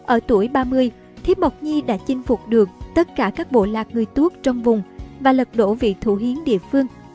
ở tuổi ba mươi thiếp mộc nhi đã chinh phục được tất cả các bộ lạc người tốt trong vùng và lật đổ vị thủ hiến địa phương